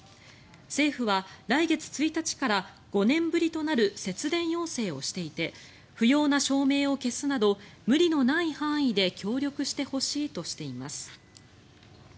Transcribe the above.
政府は来月１日から５年ぶりとなる節電要請をしていて不要な照明を消すなど無理のない範囲で協力してほしいとしています。